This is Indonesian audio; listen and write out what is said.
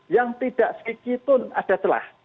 yang tidak sedikit pun ada telah